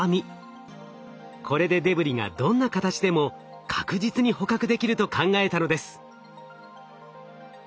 これでデブリがどんな形でも確実に捕獲できると考えたのです。